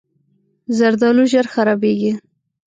زردالو ژر خرابېږي.